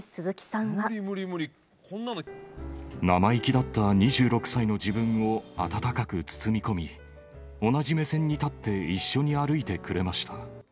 生意気だった２６歳の自分を温かく包み込み、同じ目線に立って、一緒に歩いてくれました。